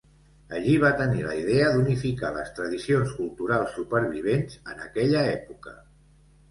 Allí, va tenir la idea d'unificar les tradicions culturals supervivents en aquella època.